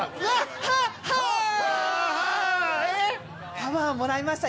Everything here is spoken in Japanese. パワーをもらいました、